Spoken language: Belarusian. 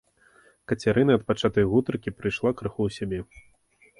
Кацярына ад пачатай гутаркі прыйшла крыху ў сябе.